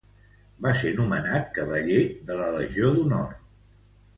Va ser nomenat Cavaller de la Legió d'Honor.